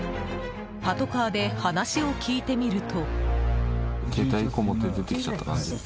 パトカーで話を聞いてみると。